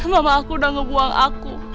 mama aku udah ngebuang aku